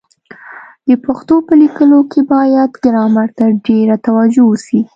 د پښتو په لیکلو کي بايد ګرامر ته ډېره توجه وسي.